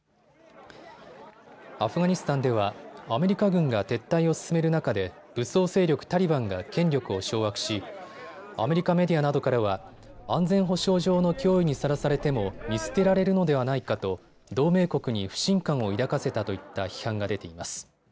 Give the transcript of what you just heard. アフガニスタンではアメリカ軍が撤退を進める中で武装勢力タリバンが権力を掌握しアメリカメディアなどからは安全保障上の脅威にさらされても見捨てられるのではないかと同盟国に不信感を抱かせたといった批判が出ています。